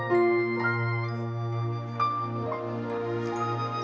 menguat hari ini